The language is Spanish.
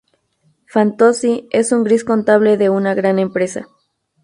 Fantozzi es un gris contable de una gran empresa.